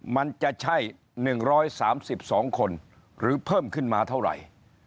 มันจะใช่๑๓๒คนหรือเพิ่มขึ้นมาเท่าไหร่